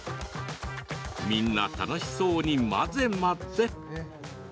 みんな楽しそうに混ぜ混ぜ。